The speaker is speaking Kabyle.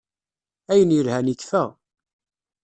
Ayen yelhan ikfa.